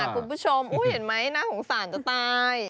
คุณผู้ชมเห็นไหมน่าสงสารจะตาย